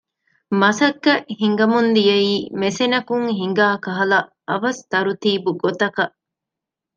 މަސައްކަތް ހިނގަމުން ދިޔައީ މެސެނަކުން ހިނގާ ކަހަލަ އަވަސް ތަރުތީބު ގޮތަކަށް